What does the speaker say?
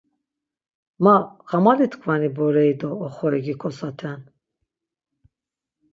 Ma xamali-tkvani bore-i do oxori gikosaten!